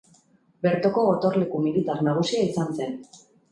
Bertoko gotorleku militar nagusia izan zen.